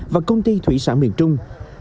và công ty thủy sản miền trung